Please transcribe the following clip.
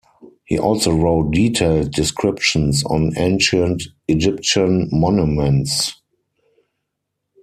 He also wrote detailed descriptions on ancient Egyptian monuments.